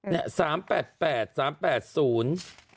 เนี่ยสามแปดแปดสามแปดศูนย์